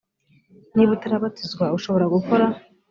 niba utarabatizwa ushobora gukora